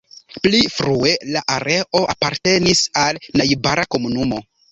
Pli frue la areo apartenis al najbara komunumo.